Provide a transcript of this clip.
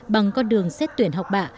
bằng con đường xét tuyển học bạ